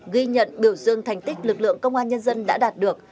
ghi nhận biểu dương thành tích lực lượng công an nhân dân đã đạt được